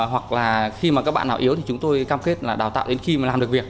hoặc là khi mà các bạn nào yếu thì chúng tôi cam kết là đào tạo đến khi mà làm được việc